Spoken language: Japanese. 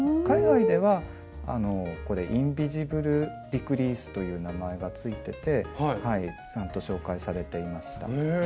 海外ではこれ「インビジブル・ディクリース」という名前が付いててちゃんと紹介されていました。